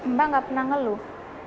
mbak nggak pernah ngeluh